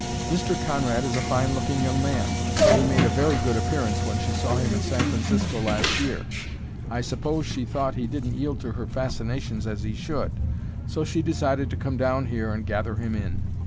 Mr. Conrad is a fine looking young man, and he made a very good appearance when she saw him in San Francisco last year. I suppose she thought he didn't yield to her fascinations as he should, so she decided to come down here and gather him in.